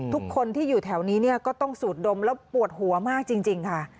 ทุกคนที่อยู่แถวนี้เนี่ยก็ต้องสูดดมแล้วปวดหัวมากจริงค่ะ